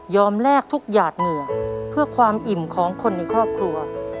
แลกทุกหยาดเหงื่อเพื่อความอิ่มของคนในครอบครัว